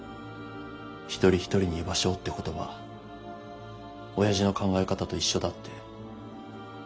「一人一人に居場所を」って言葉親父の考え方と一緒だって。